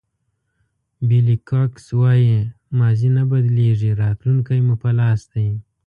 بېلي کوکس وایي ماضي نه بدلېږي راتلونکی مو په لاس دی.